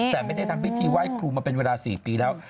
แต่ไม่ได้ทำพิธีไหว้ครูมาเป็นเวลา๔ปีแล้ว